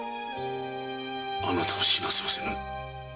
あなたを死なせはしない。